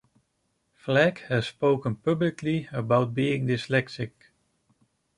Flagg has spoken publicly about being dyslexic.